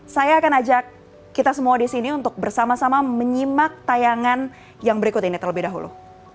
saya akan ajak kita semua di sini untuk bersama sama menyimak tayangan yang berikut ini terlebih dahulu